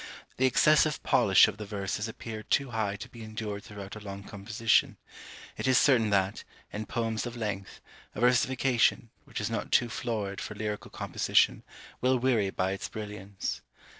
The excessive polish of the verse has appeared too high to be endured throughout a long composition; it is certain that, in poems of length, a versification, which is not too florid for lyrical composition, will weary by its brilliance.